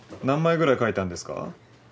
何枚ぐらい描いたんですか？